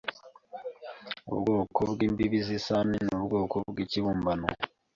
Ubwoko bwimbibi zisahani nubwoko bwikibumbano